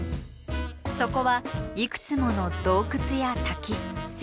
そこはいくつもの洞窟や滝石